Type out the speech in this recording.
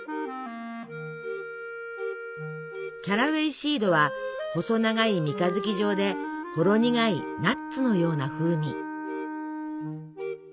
キャラウェイシードは細長い三日月状でほろ苦いナッツのような風味。